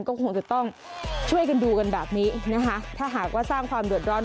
ก็คงจะต้องช่วยกันดูกันแบบนี้นะคะถ้าหากว่าสร้างความเดือดร้อน